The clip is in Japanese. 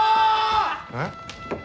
えっ？